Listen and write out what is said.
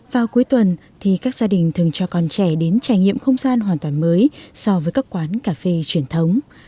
vào cuối tuần thì các gia đình thường cho con trẻ đến trải nghiệm không gian hoàn toàn mới so với các quán cà phê truyền thống